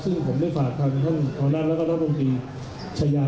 ซึ่งผมได้ฝากท่านท่านครนัทแล้วก็ท่านโรงตีชยา